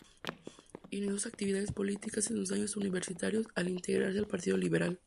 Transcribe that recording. Inició sus actividades políticas en sus años universitarios al integrarse al Partido Liberal.